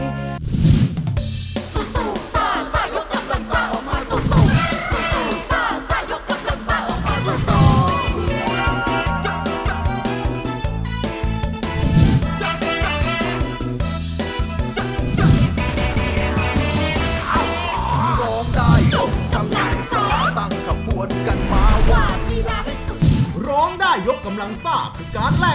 คุณพูดแห่งนี้ก็คือ